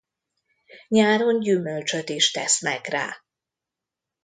Nyáron gyümölcsöt is tesznek rá.